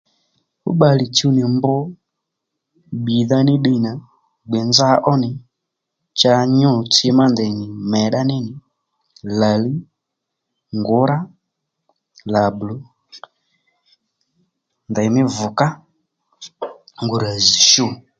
Fú bbalè chuw nì mb bbìydha ní ddiy nà gbè nza ónì cha nyû tsi má ndèy nì mèddá ní nì lǎliy, ngǔrá, làblò, ndèymí vùgá ngurà zz̀ shu